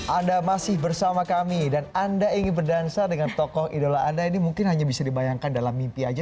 anda masih bersama kami dan anda ingin berdansa dengan tokoh idola anda ini mungkin hanya bisa dibayangkan dalam mimpi aja